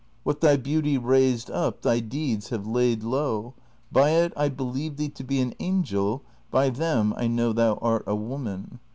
What thy hcaiity raised xq) thy deeds liave laid low ; by it I believed thee to he ail. angel, by them I hnotv thou art a woman.